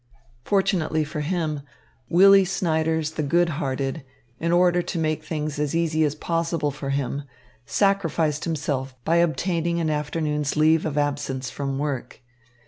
Fortunately for him, Willy Snyders the good hearted, in order to make things as easy as possible for him, sacrificed himself by obtaining an afternoon's leave of absence from work.